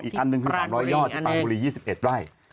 อันหนึ่งคือ๓๐๐ยอดที่ปากบุรี๒๑ไร่